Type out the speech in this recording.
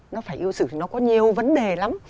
nó phải yêu sử thì nó có nhiều vấn đề lắm